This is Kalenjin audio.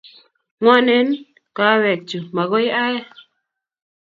Ngwanen kawek chu, makoi ae